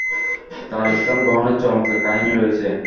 তার ইসলাম গ্রহণের চমৎকার কাহিনী রয়েছে।